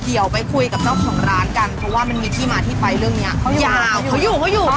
เดี๋ยวไปคุยกับเจ้าของร้านกันเพราะว่ามันมีที่มาที่ไปเรื่องเนี้ยเขายาวเขาอยู่เขาอยู่